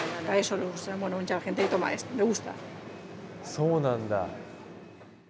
そうなんだ。